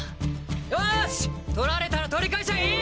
よし取られたら取り返しゃいい！